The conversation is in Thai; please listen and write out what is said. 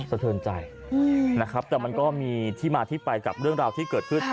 สะเทินใจนะครับแต่มันก็มีที่มาที่ไปกับเรื่องราวที่เกิดขึ้น